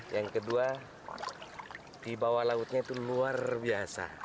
yang kedua di bawah lautnya itu luar biasa